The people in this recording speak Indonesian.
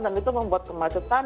dan itu membuat kemacetan